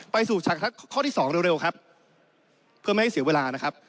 ไปสู่ฉากข้อที่สองเร็วครับเพื่อไม่ให้เสียเวลานะครับ